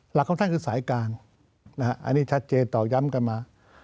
หลักของท่านคือสายกลางอันนี้ชัดเจนต่อย้ำกันมา